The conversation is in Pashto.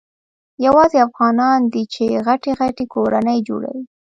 یوازي افغانان دي چي غټي غټي کورنۍ جوړوي.